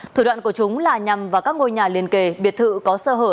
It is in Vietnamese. thủ đoạn của chúng là nhằm vào các ngôi nhà liên kề biệt thự có sơ hở